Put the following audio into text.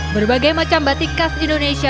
berbagai macam batik khas indonesia